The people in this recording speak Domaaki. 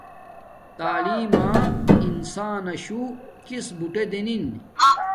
تعلیم ما انساناشو کس بوٹے دنن